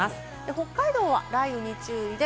北海道は雷雨に注意で。